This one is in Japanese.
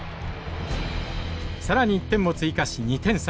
更に１点も追加し２点差。